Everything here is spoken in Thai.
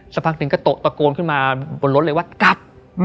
สักพักหนึ่งก็ตะโกนขึ้นมาบนรถเลยว่ากลับ